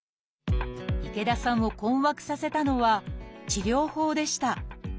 池田さんを困惑させたのは治療法でした。